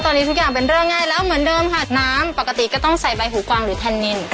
ตอนนี้ทุกอย่างเป็นเรื่องง่ายแล้วเหมือนเดิมค่ะน้ำปกติก็ต้องใส่ใบหูกวางหรือแทนนิน